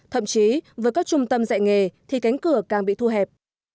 thậm chí với các trung tâm dạy nghề thì cánh cửa càng bị thu hẹp